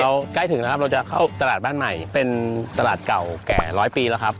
ใกล้ถึงแล้วครับเราจะเข้าตลาดบ้านใหม่เป็นตลาดเก่าแก่ร้อยปีแล้วครับ